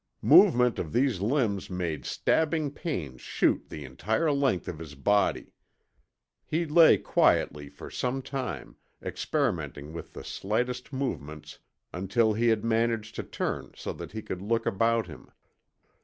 Movement of these limbs made stabbing pains shoot the entire length of his body. He lay quietly for some time, experimenting with the slightest movements until he had managed to turn so that he could look about him.